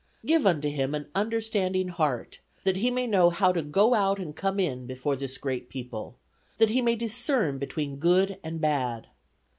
Give unto him an understanding heart, that he may know how to go out and come in before this great people; that he may discern between good and bad.